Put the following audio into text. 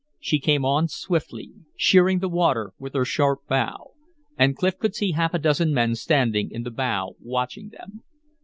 She came on swiftly, sheering the water with her sharp bow. And Clif could see half a dozen men standing in the bow watching them.